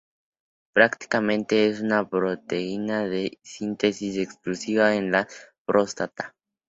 Prácticamente es una proteína de síntesis exclusiva en la próstata.